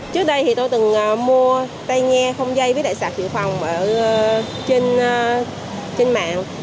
trước đây thì tôi từng mua tay nghe không dây với đại sạc dự phòng ở trên mạng